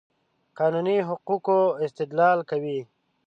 قانوني حقوقو استدلال کوي.